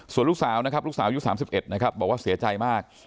ส่วนลูกสาวนะครับลูกสาวยุค๓๑นะครับบอกว่าเสียใจมาก